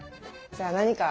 じゃあ何か。